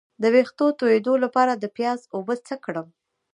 د ویښتو تویدو لپاره د پیاز اوبه څه کړم؟